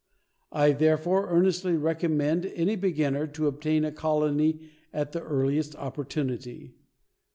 I, therefore, earnestly recommend any beginner to obtain a colony at the earliest opportunity.